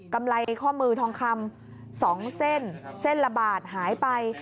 กำไรข้อมือทองคำ๒เส้นเส้นละบาทหายไป